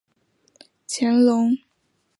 乾隆五十二年署荣县贡井县丞。